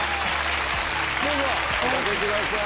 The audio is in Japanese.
どうぞお掛けください。